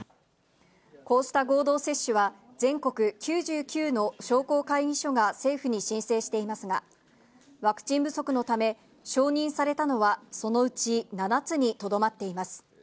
こうした合同接種は、全国９９の商工会議所が政府に申請していますが、ワクチン不足のため、承認されたのは、そのうち７つにとどまっています。